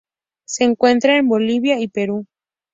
Se encuentra en Bolivia y Perú.